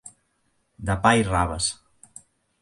De pa i raves.